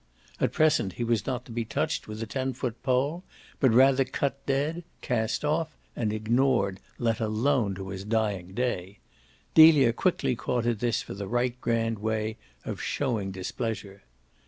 At present he was not to be touched with a ten foot pole, but rather cut dead, cast off and ignored, let alone to his dying day: Delia quickly caught at this for the right grand way of showing displeasure.